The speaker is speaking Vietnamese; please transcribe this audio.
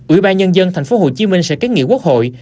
ủy ban nhân dân thành phố hồ chí minh sẽ kết nghị quốc hội